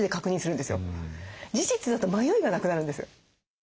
事実だと迷いがなくなるんです。